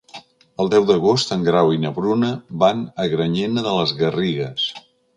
El deu d'agost en Grau i na Bruna van a Granyena de les Garrigues.